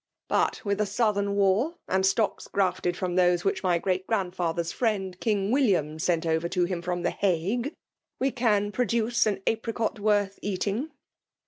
" But, with a southern wall and stocks grafted 'from those which my great grandfather's friend King William sent over to him from the Hague, we can produce an apricot worth eating.